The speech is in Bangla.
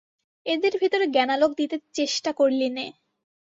এদের ভেতরে জ্ঞানালোক দিতে চেষ্টা করলিনে।